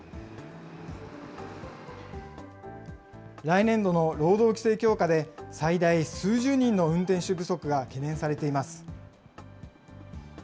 来年度の労働規制強化で、最大数十人の運転手不足が懸念されています。